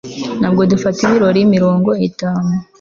Ntabwo dufata ibirori mirongo itatu